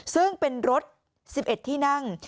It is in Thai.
ซึ่งเป็นรถ๑๑ที่นั่ง